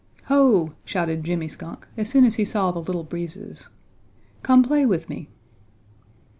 "Ho!" shouted Jimmy Skunk as soon as he saw the Little Breezes, "come play with me."